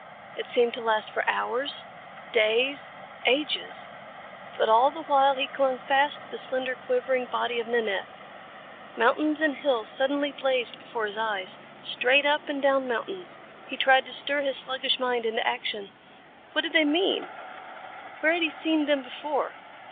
It seemed to last for hours, days, ages. But all the while he clung fast to the slender, quivering body of Nanette. Mountains and hills suddenly blazed before his eyes. Straight up and down mountains. He tried to stir his sluggish mind into action. What did they mean? Where had he seen them before?